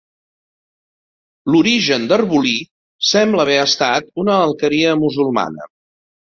L'origen d'Arbolí sembla haver estat una alqueria musulmana.